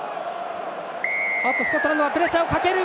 スコットランドがプレッシャーをかける！